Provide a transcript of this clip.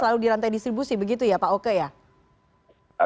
lalu di rantai distribusi begitu ya pak oke ya